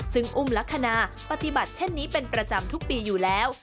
ซึ่งอุ้มลักษณะปฏิบัติเช่นนี้เป็นประจำทุกปีอยู่แล้ว